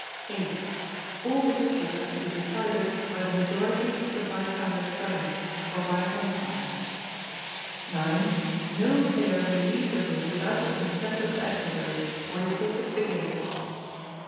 viii. All disputes are to be decided by the majority of the bystanders present, or by an umpire. ix. No player may leave the room without the consent of his adversary, or he forfeits the game.